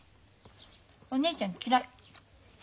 お姉ちゃん嫌い。